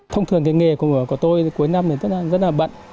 thông thường nghề của tôi cuối năm rất là bận